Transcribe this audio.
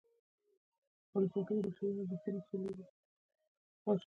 له داسې تعبیرونو سره نه جوړېږي.